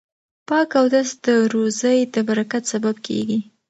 پاک اودس د روزۍ د برکت سبب کیږي.